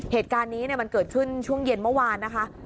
เหตุการณ์นี้มันเกิดขึ้นช่วงเย็นเมื่อวานนะคะ